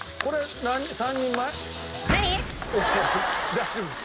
大丈夫です。